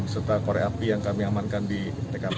serta korek api yang kami amankan di tkp